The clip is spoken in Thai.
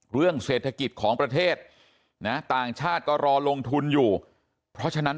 เรื่องเศรษฐกิจของประเทศนะต่างชาติก็รอลงทุนอยู่เพราะฉะนั้น